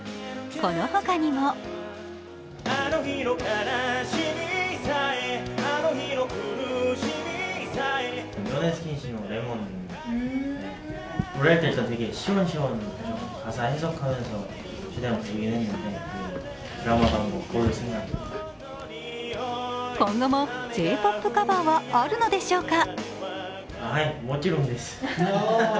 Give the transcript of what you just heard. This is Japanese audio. この他にも今後もＪ−ＰＯＰカバーはあるのでしょうか。